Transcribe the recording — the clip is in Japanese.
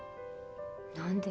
何で？